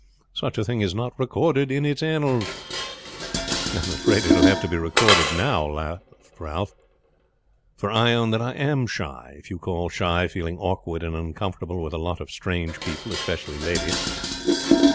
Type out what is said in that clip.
Such a thing is not recorded in its annals." "I am afraid it will have to be recorded now," laughed Ralph. "For I own that I am shy; if you call shy, feeling awkward and uncomfortable with a lot of strange people, especially ladies."